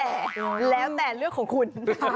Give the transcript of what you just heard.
แต่แล้วแต่เรื่องของคุณ